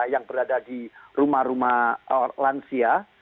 yang berada di rumah rumah lansia